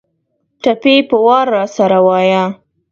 ټپې په وار راسره وايه